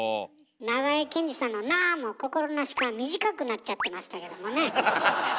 長江健次さんの「なっ！」も心なしか短くなっちゃってましたけどもね。